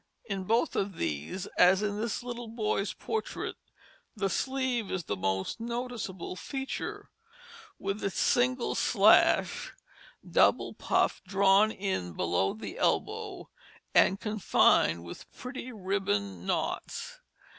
In both of these, as in this little boy's portrait, the sleeve is the most noticeable feature, with its single slash, double puff drawn in below the elbow and confined with pretty ribbon knots.